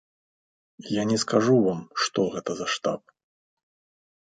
Я не скажу вам, што гэта за штаб.